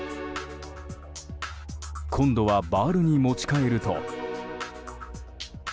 今度はバールに持ち替えると。